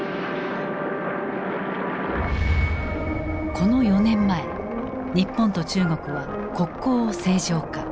この４年前日本と中国は国交を正常化。